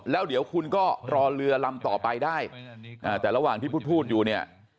แล้วเดี๋ยวคุณก็รอเรือลำต่อไปได้แต่ระหว่างที่พูดพูดอยู่เนี่ย